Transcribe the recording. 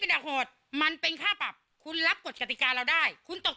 แบบนี้สดเพิ่ม